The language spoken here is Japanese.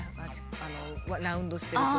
あのラウンドしてると。